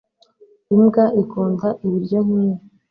Imbwa ikunda ibiryo nkibi